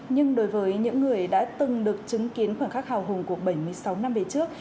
nhưng đối với những người đã từng được chứng kiến khoảnh khắc hào hùng của bảy mươi sáu năm về trước